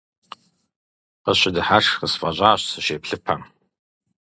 Къысщыдыхьэшх къысфӀэщӀащ, сыщеплъыпэм.